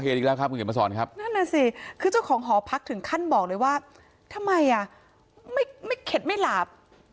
ทำไมไม่เข็ดไม่หลาบ